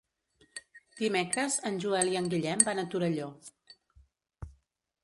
Dimecres en Joel i en Guillem van a Torelló.